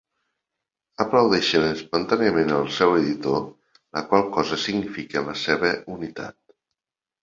Aplaudeixen espontàniament el seu editor, la qual cosa significa la seva unitat.